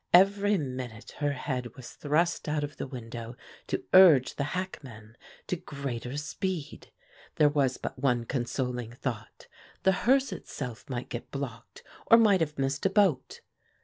Every minute her head was thrust out of the window to urge the hackman to greater speed. There was but one consoling thought the hearse itself might get blocked or might have missed a boat!